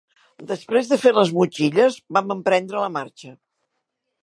Després de fer les motxilles, vam emprendre la marxa